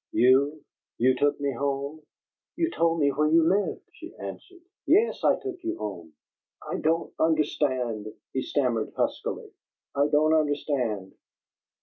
"You you took me home?" "You told me where you lived," she answered. "Yes, I took you home." "I don't understand," he stammered, huskily. "I don't understand!"